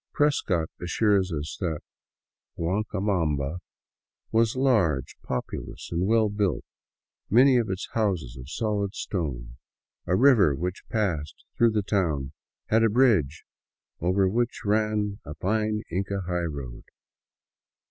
Prescott assures us that " Guancabamba was large, populous and well built, many of its houses of solid stone. A river which passed through the town had a bridge over which ran a fine Inca highroad.'